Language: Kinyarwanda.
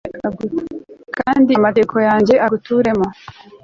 kandi amategeko yanjye aguturemo